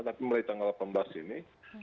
tapi mulai tanggal delapan belas ini